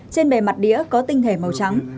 trên bề mặt đĩa có tinh thể màu trắng